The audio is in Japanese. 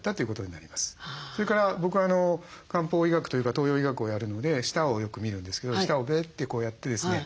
それから僕漢方医学というか東洋医学をやるので舌をよく見るんですけど舌をべーってやってですね